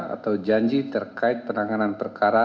atau janji terkait penanganan perkara